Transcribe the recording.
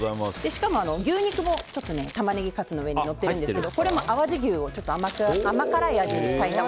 しかも牛肉もタマネギカツの上にのってるんですがこれも淡路牛を甘辛い味に。